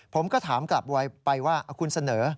ผมก็ถามกลับไปว่าคุณเสนอ